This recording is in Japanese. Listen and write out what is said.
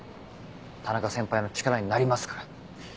田中先輩の力になりますから！